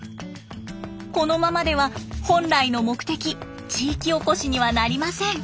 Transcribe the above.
このままでは本来の目的地域おこしにはなりません。